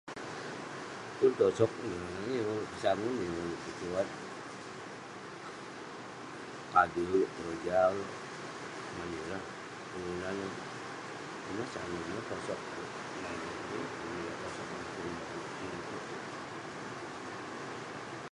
Pun tosog, neh yeng ulouk pesangun..yeng ulouk petuwat..adui ulouk, keroja ulouk, ngan ireh kelunan..ineh sangun, ineh tosog..ngan yeng pun tosog yah boken, ineh tuerk.